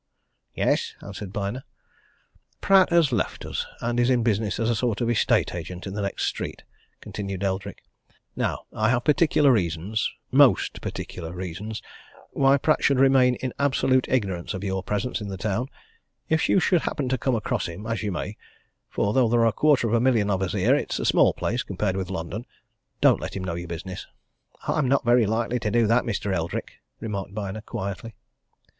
"Yes," answered Byner. "Pratt has left us, and is in business as a sort of estate agent in the next street," continued Eldrick. "Now I have particular reasons most particular reasons! why Pratt should remain in absolute ignorance of your presence in the town. If you should happen to come across him as you may, for though there are a quarter of a million of us here, it's a small place, compared with London don't let him know your business." "I'm not very likely to do that, Mr. Eldrick," remarked Byner quietly.